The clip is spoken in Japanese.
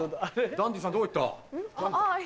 ・ダンディさんどこ行った？